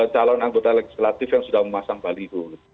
calon anggota legislatif yang sudah memasang baliho